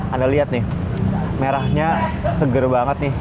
anda lihat nih merahnya seger banget nih